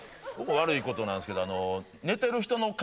悪いことなんですけどあの。